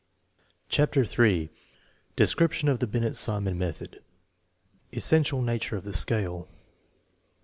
CHAPTER III DESCRIPTION OK THE WNET SIMON METHOD Essential nature of the soale.